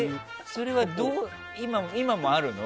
それは今もあるの？